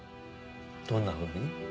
どんなふうに？